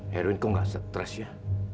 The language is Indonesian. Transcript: heroin kok nggak stress ya